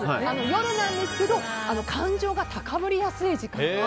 夜なんですけど感情が高ぶりやすい時間。